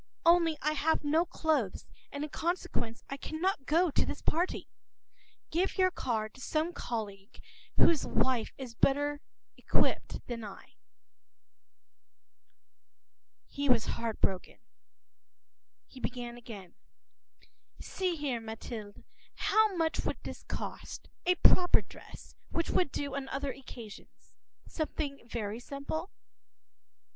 Only I have no clothes, and in consequence I cannot go to this party. Give your card to some colleague whose wife has a better outfit than I.”He was disconsolate. He began again:—“See here, Mathilde, how much would this cost, a proper dress, which would do on other occasions; something very simple?